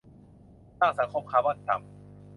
สร้างสังคมคาร์บอนต่ำ